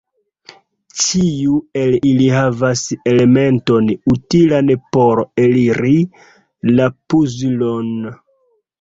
Ĉiu el ili havas elementon utilan por eliri la puzlon.